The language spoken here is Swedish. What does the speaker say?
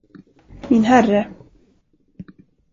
Min herre!